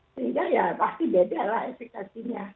sehingga ya pasti bedalah efekasi